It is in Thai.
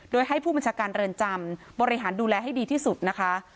โดยให้ผู้บัญชาการเรือนจำบริหารดูแลให้ดีที่สุดนะคะ